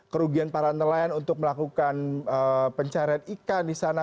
kerugian para nelayan untuk melakukan pencarian ikan di sana